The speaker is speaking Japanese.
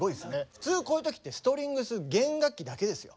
普通こういう時ってストリングス弦楽器だけですよ。